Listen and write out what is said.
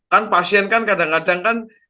kan pasien kadang kadang